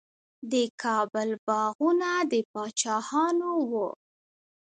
د کابل باغونه د پاچاهانو وو.